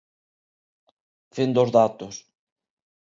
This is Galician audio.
Fin dos datos.